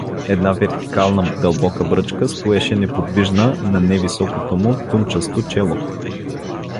Една вертикална дълбока бръчка стоеше неподвижна на невисокото му тумчасто чело.